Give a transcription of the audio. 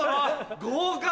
合格。